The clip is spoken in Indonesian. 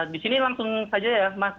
di sini langsung saja ya mas